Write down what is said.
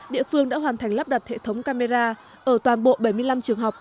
địa phương đã hoàn thành lắp đặt hệ thống camera ở toàn bộ bảy mươi năm trường học